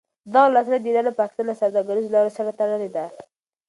دغه ولسوالي د ایران او پاکستان له سوداګریزو لارو سره تړلې ده